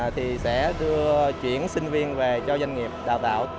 thì sẽ đưa chuyển sinh viên về cho doanh nghiệp đào tạo